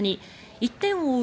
１点を追う